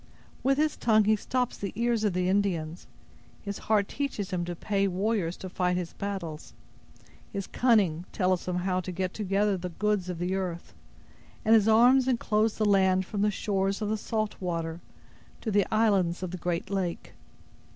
With his tongue he stops the ears of the Indians; his heart teaches him to pay warriors to fight his battles; his cunning tells him how to get together the goods of the earth; and his arms inclose the land from the shores of the salt water to the islands of the great lake.